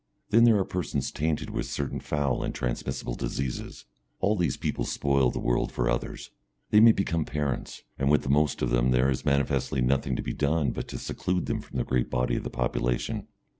Then there are persons tainted with certain foul and transmissible diseases. All these people spoil the world for others. They may become parents, and with most of them there is manifestly nothing to be done but to seclude them from the great body of the population.